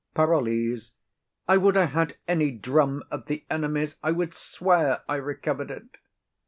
PAROLLES. I would I had any drum of the enemy's; I would swear I recover'd it.